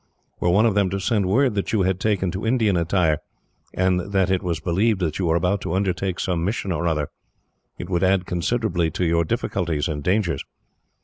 Were one of them to send word that you had taken to Indian attire, and that it was believed that you were about to undertake some mission or other, it would add considerably to your difficulties and dangers.